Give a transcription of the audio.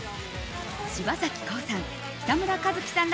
柴咲コウさん